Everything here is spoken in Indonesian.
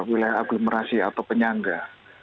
wilayah aglomerasi atau penyangga